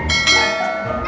aduh aduh aduh